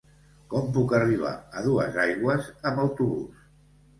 Com puc arribar a Duesaigües amb autobús?